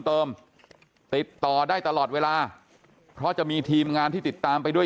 เติมติดต่อได้ตลอดเวลาเพราะจะมีทีมงานที่ติดตามไปด้วย